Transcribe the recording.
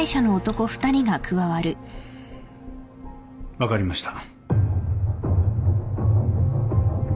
分かりました。